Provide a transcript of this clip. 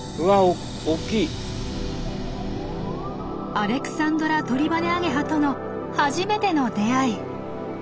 アレクサンドラトリバネアゲハとの初めての出会い。